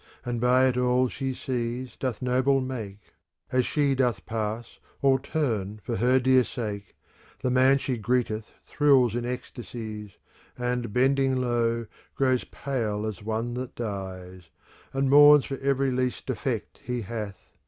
And by it all she sees doth noble make; As she doth pass, all turn for her dear sake ; The man she greeteth thrills in ecstacies, And bending low, grows pale as one that dies, ^ And mourns for every least defect he hath.